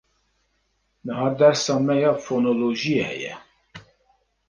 Niha dersa me ya fonolojiyê heye.